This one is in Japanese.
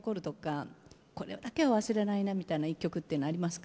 これだけは忘れないなみたいな一曲っていうのありますか？